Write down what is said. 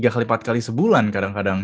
tiga kali empat kali sebulan kadang kadang